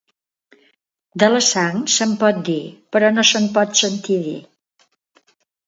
De la sang se'n pot dir, però no se'n pot sentir dir.